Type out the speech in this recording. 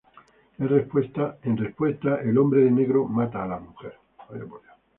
En respuesta, el Hombre de Negro mata a la mujer.